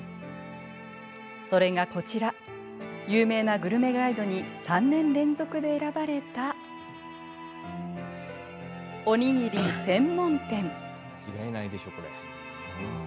それがこちら有名なグルメガイドに３年連続で選ばれたおにぎり専門店。